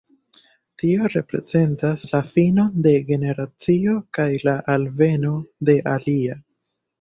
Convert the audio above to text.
Tio reprezentas la finon de generacio kaj la alveno de alia.